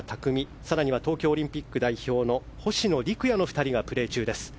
更には東京オリンピック代表の星野陸也の２人がプレー中です。